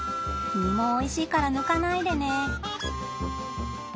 実もおいしいから抜かないでね。